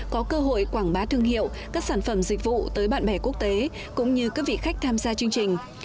có cơ hội quảng bá thương hiệu các sản phẩm dịch vụ tới bạn bè quốc tế cũng như các vị khách tham gia chương trình